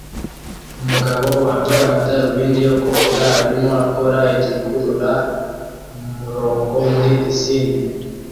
Umugabo wambaye amadarubindi yo koga arimo akora igikurura mumurongo muri pisine